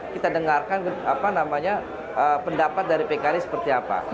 kita dengarkan pendapat dari pkb seperti apa